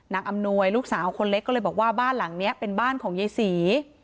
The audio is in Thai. อำนวยลูกสาวคนเล็กก็เลยบอกว่าบ้านหลังนี้เป็นบ้านของยายศรี